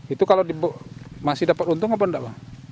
itu kalau masih dapat untung apa enggak pak